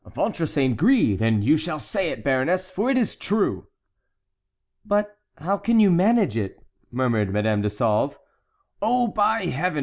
"Ventre saint gris! then you shall say it, baroness, for it is true." "But how can you manage it?" murmured Madame de Sauve. "Oh! by Heaven!